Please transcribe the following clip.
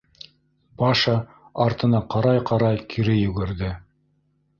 Паша, артына ҡарай-ҡарай, кире йүгерҙе.